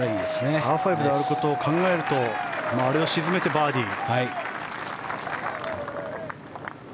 パー５であることを考えるとあれを沈めてバーディー。